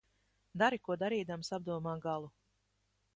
Dari ko darīdams, apdomā galu.